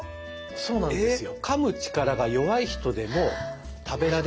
そうなんですよ。